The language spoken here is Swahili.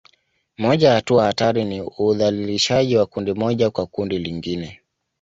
Moja ya hatua hatari ni udhalilishaji wa kundi moja kwa kundi lingine